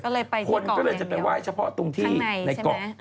คนก็เลยจะไปไหว้เฉพาะตรงที่ในเกาะ